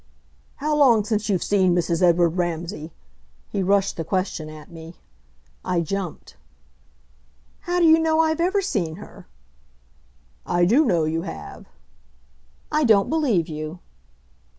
"How long since you've seen Mrs. Edward Ramsay?" He rushed the question at me. I jumped. "How do you know I've ever seen her?" "I do know you have." "I don't believe you."